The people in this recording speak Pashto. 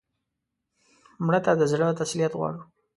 مړه ته د زړه تسلیت غواړو